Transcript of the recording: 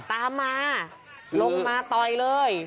ตามมาลงมาต่อยเลย